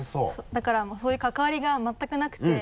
だからそういう関わりが全くなくて。